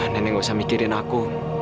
nenek gak usah mikirin aku